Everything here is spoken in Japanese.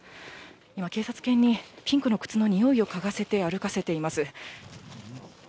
今、警察犬にピンクの靴のにおいをかがせて歩いています。